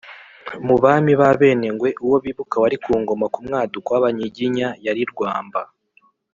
mu bami b’abenengwe, uwo bibuka wari ku ngoma ku mwaduko w’abanyiginya yari rwamba